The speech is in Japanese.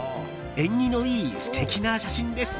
縁起のいい素敵な写真です。